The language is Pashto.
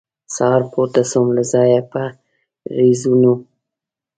سهار پورته سوم له ځایه په رېزونو